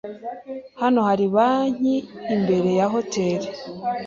Hano hari banki imbere ya hoteri.